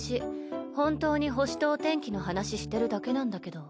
本当に星とお天気の話してるだけなんだけど。